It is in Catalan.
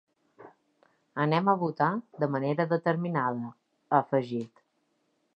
Anem a votar de manera determinada, ha afegit.